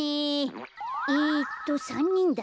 えっと３にんだから。